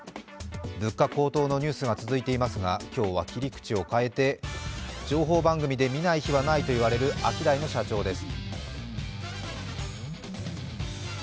物価高騰のニュースが続いていますが今日は切り口を変えて情報番組で見ない日はないと言われるアキダイの社長です。